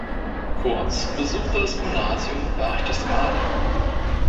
Kurz besuchte das Gymnasium Berchtesgaden.